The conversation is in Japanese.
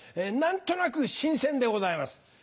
何となく新鮮でございます。